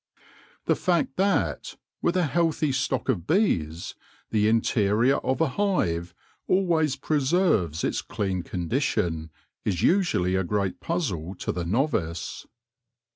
The fact that, with a healthy stock of bees, the in terior of a hive always preserves its clean condition, is usually a great puzzle to the novice.